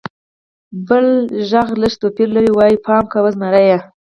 بل غږ لږ توپیر لري او وایي: «پام کوه! زمری!»